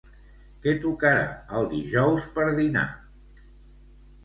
Què tocarà el dijous per dinar?